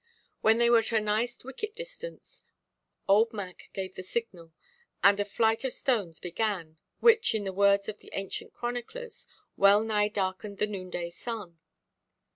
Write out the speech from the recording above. When they were at a nice wicket distance, old Mac gave the signal, and a flight of stones began, which, in the words of the ancient chroniclers, "well–nigh darkened the noonday sun."